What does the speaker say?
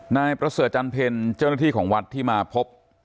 นายประเสริฐจันเพลเจ้าหน้าที่ของวัดที่มาพบ